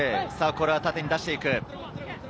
これは縦に出していく。